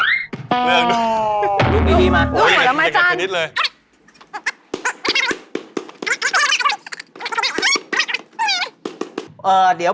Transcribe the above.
กลัวอยู่ดีมากครับมากจานดูหนึ่งเลย